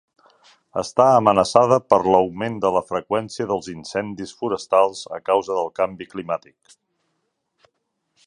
Està amenaçada per l'augment de la freqüència dels incendis forestals a causa del canvi climàtic.